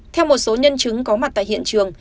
theo một số nhân chứng có mặt tại hiện trường